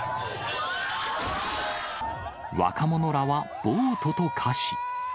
若者らは暴徒と化し。